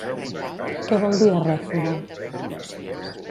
Què vol dir arrèfora?